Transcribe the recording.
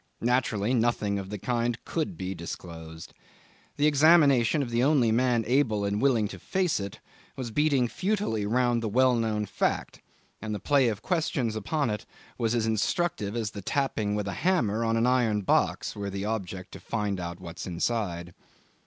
Naturally nothing of the kind could be disclosed. The examination of the only man able and willing to face it was beating futilely round the well known fact, and the play of questions upon it was as instructive as the tapping with a hammer on an iron box, were the object to find out what's inside.